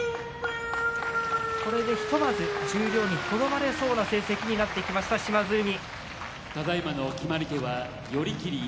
これで、ひとまず十両にとどまれそうな成績になってきました島津海。